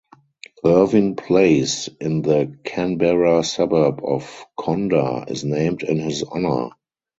Ervin Place in the Canberra suburb of Conder is named in his honour.